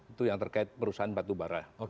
itu yang terkait perusahaan batu barah